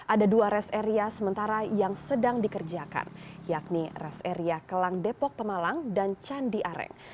ada dua rest area sementara yang sedang dikerjakan yakni rest area kelang depok pemalang dan candi areng